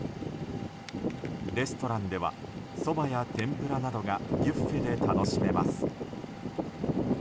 レストランではそばや天ぷらなどがビュッフェで楽しめます。